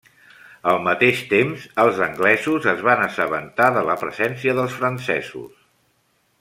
Al mateix temps, els anglesos es van assabentar de la presència dels francesos.